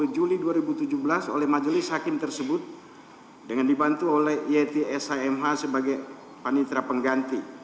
dua puluh juli dua ribu tujuh belas oleh majelis hakim tersebut dengan dibantu oleh yeti shmh sebagai panitra pengganti